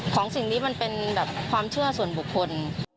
สิ่งนี้มันเป็นแบบความเชื่อส่วนบุคคล